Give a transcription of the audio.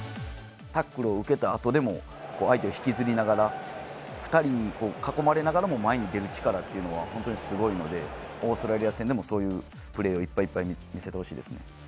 タックルを受けたあとでも、相手を引きずりながら、２人に囲まれながらも前に出る力っていうのは、本当にすごいので、オーストラリア戦でも、そういうプレーをいっぱいいっぱい見せてほしいですね。